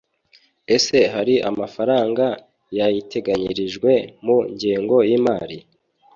Ese hari amafaranga yayiteganirijwe mu ngengo y’imari